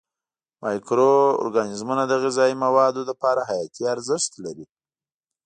مایکرو ارګانیزمونه د غذایي موادو لپاره حیاتي ارزښت لري.